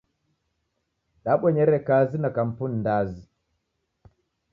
Dabonyere kazi na kampuni ndazi.